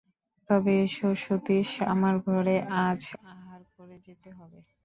তবে এসো সতীশ, আমার ঘরে আজ আহার করে যেতে হবে।